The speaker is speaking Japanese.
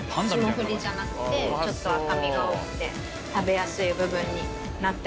霜降りじゃなくてちょっと赤身が多くて食べやすい部分になってます。